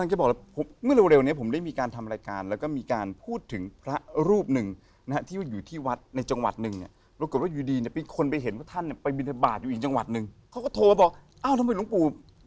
เขาก็โทรมาบอกเอ้าทำไมลุงกู่